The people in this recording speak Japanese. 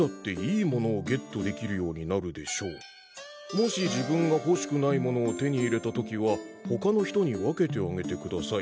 もし自分が欲しくないものを手に入れたときは他の人に分けてあげてください。